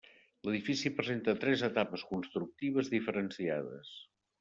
L'edifici presenta tres etapes constructives diferenciades.